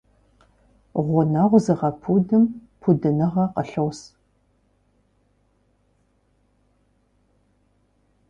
Гъунэгъу зыгъэпудым пудыныгъэ къылъос.